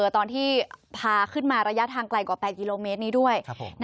ตอนที่พาขึ้นมาระยะทางไกลกว่า๘กิโลเมตรนี้ด้วย